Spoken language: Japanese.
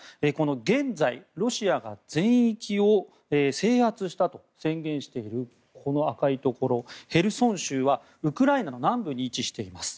現在、ロシアが全域を制圧したと宣言しているこの赤いところ、ヘルソン州はウクライナの南部に位置しています。